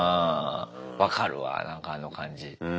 わかるわなんかあの感じ。